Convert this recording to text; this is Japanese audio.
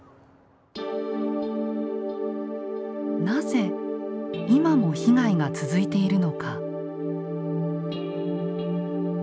なぜ今も被害が続いているのか。